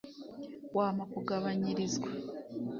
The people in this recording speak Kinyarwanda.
wampa kugabanyirizwa